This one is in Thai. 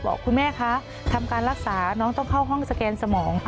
บอกคุณแม่คะทำการรักษาน้องต้องเข้าห้องสแกนสมอง